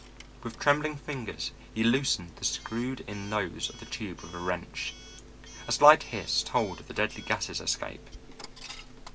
With trembling fingers he loosened the screwed in nose of the tube with a wrench. A slight hiss told of the deadly gas's escape.